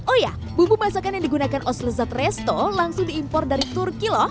oh ya bumbu masakan yang digunakan os lezat resto langsung diimpor dari turki loh